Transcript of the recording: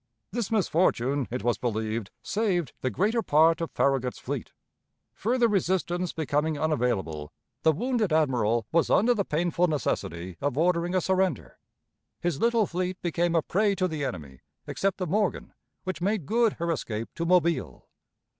This misfortune, it was believed, saved the greater part of Farragut's fleet. Further resistance becoming unavailable, the wounded Admiral was under the painful necessity of ordering a surrender. His little fleet became a prey to the enemy, except the Morgan, which made good her escape to Mobile.